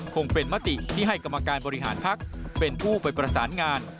คงเป็นมติที่ให้กรรมการบริหารพักเป็นผู้ไปประสานงาน